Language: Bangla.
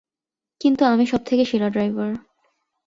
কিন্তু, আমি সবথেকে সেরা ড্রাইভার।